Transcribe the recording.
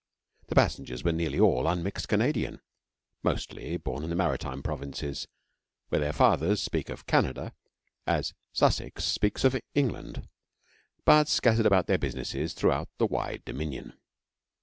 The passengers were nearly all unmixed Canadian, mostly born in the Maritime Provinces, where their fathers speak of 'Canada' as Sussex speaks of 'England,' but scattered about their businesses throughout the wide Dominion.